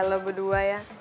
gila berdua ya